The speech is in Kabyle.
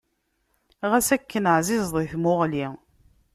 Xas akken ɛzizeḍ i tmuɣli.